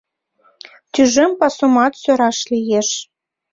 Тӱжем пасумат сӧраш лиеш.